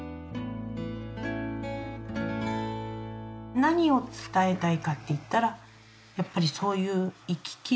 何を伝えたいかっていったらやっぱりそういう「生ききる」。